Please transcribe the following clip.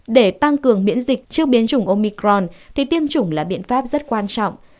để tăng cường miễn dịch trước biến chủng omicron thì tiêm chủng là biện pháp rất quan trọng